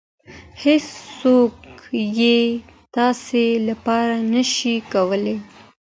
هېڅوک یې ستاسې لپاره نشي کولی.